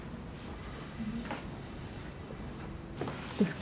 どうですか？